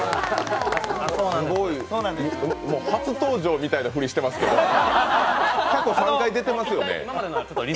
初登場みたいなふりしてますけど、過去３回出てますよね。